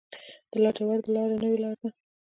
د لاجوردو لاره نوې لاره ده